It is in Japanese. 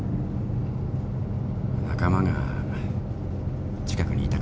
仲間が近くにいたからね。